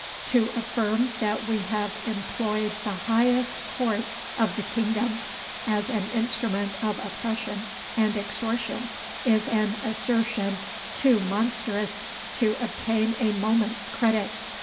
To affirm that we have employed the highest court of the kingdom as an instrument of oppression and extortion is an assertion too monstrous to obtain a moment's credit.